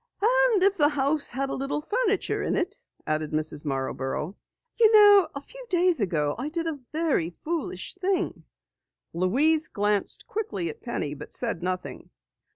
"And if the house had a little furniture in it," added Mrs. Marborough. "You know, a few days ago I did a very foolish thing." Louise glanced quickly at Penny but said nothing.